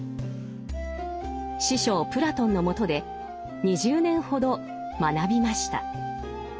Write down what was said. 師匠プラトンのもとで２０年ほど学びました。